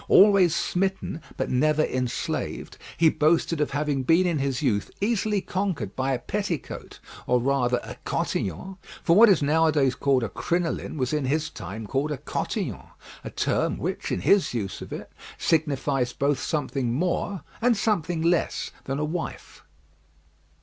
Always smitten but never enslaved, he boasted of having been in his youth easily conquered by a petticoat, or rather a cotillon; for what is now a days called a crinoline, was in his time called a cotillon; a term which, in his use of it, signifies both something more and something less than a wife.